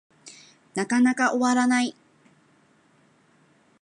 なかなか終わらない